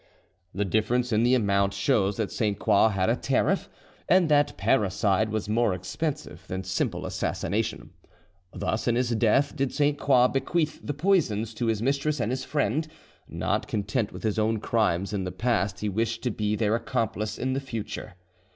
The difference in the amount shows that Sainte Croix had a tariff, and that parricide was more expensive than simple assassination. Thus in his death did Sainte Croix bequeath the poisons to his mistress and his friend; not content with his own crimes in the past, he wished to be their accomplice in the future.